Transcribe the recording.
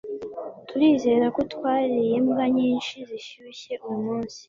Turizera ko twariye imbwa nyinshi zishyushye uyumunsi